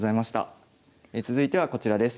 続いてはこちらです。